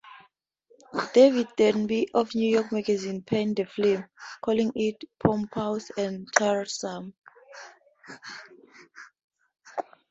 David Denby of "New York" magazine panned the film, calling it "pompous and tiresome.